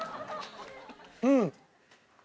うん。